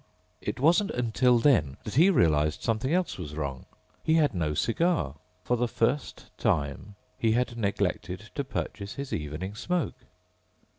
It wasn't until then that he realized something else was wrong. He had no cigar. For the first time he had neglected to purchase his evening smoke.